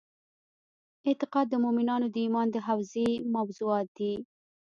اعتقاد د مومنانو د ایمان د حوزې موضوعات دي.